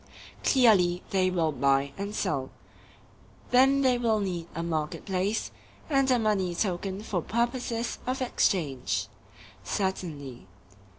Clearly they will buy and sell. Then they will need a market place, and a money token for purposes of exchange. Certainly.